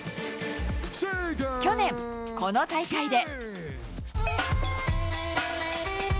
去年、この大会で。